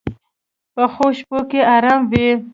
پخو شپو کې آرام وي